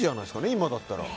今だったら。